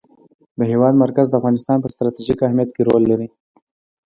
د هېواد مرکز د افغانستان په ستراتیژیک اهمیت کې رول لري.